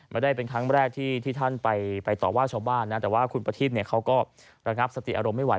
ไม่ได้เป็นครั้งแรกที่ท่านไปต่อว่าชาวบ้านนะแต่ว่าคุณประทีปเขาก็ระงับสติอารมณ์ไม่ไห